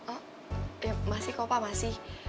oh ya masih kok pak masih